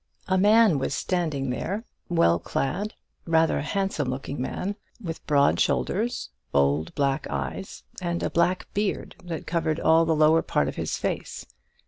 A man was standing there, a well clad, rather handsome looking man, with broad shoulders, bold black eyes, and a black beard that covered all the lower part of his face.